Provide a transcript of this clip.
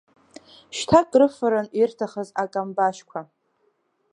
Шьҭа крыфаран ирҭахыз акамбашьқәа.